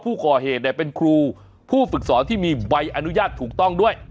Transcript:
ผู้ก่อเหตุเป็นครูผู้ฝึกสอนที่มีใบอนุญาตถูกต้องด้วย